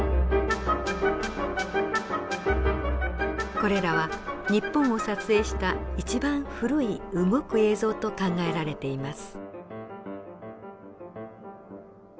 これらは日本を撮影した一番古い動く映像と考えられています。